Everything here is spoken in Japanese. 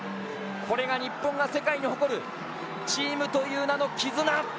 これが日本が世界に誇るチームというなの絆！